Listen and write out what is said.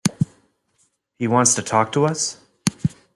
He wants to talk to us?